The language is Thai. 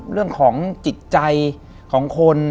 เรื่องของจิตใจของคน